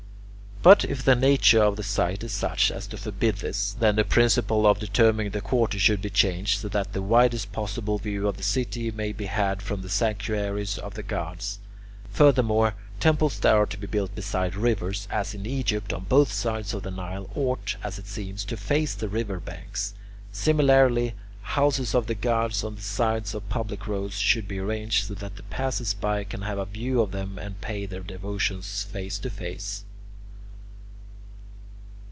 But if the nature of the site is such as to forbid this, then the principle of determining the quarter should be changed, so that the widest possible view of the city may be had from the sanctuaries of the gods. Furthermore, temples that are to be built beside rivers, as in Egypt on both sides of the Nile, ought, as it seems, to face the river banks. Similarly, houses of the gods on the sides of public roads should be arranged so that the passers by can have a view of them and pay their devotions face to face.